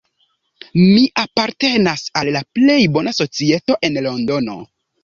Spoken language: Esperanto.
Mi apartenas al la plej bona societo en Londono.